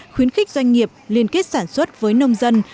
khuyến khích doanh nghiệp liên kết sản xuất với nông dân